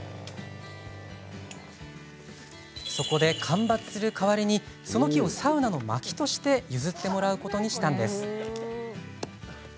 そこで、間伐する代わりにその木をサウナのまきとして譲ってもらうことにしたのです。